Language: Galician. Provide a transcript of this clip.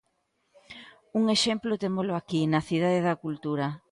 Un exemplo témolo aquí na Cidade da Cultura.